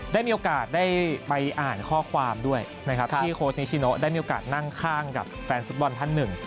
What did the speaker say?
ได้มีโอกาสได้ไปอ่านข้อความด้วยนะครับที่โค้ชนิชิโนได้มีโอกาสนั่งข้างกับแฟนฟุตบอลท่านหนึ่ง